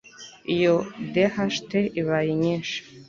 iyo DHT ibaye nyinshi,